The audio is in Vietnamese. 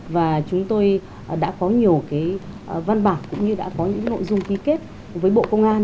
và chúng tôi đã có nhiều văn bản cũng như đã có những nội dung ký kết với bộ công an